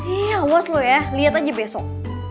ih awas lo ya liat aja besok